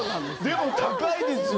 でも高いですよ。